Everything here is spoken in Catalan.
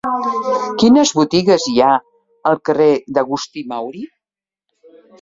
Quines botigues hi ha al carrer d'Agustí Mauri?